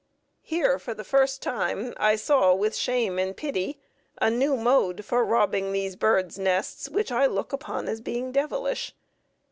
Here, for the first time, I saw with shame and pity a new mode for robbing these birds' nests, which I look upon as being devilish.